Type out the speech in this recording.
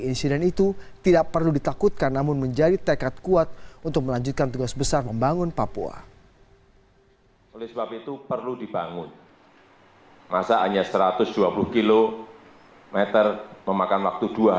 insiden itu tidak perlu ditakutkan namun menjadi tekad kuat untuk melanjutkan tugas besar membangun papua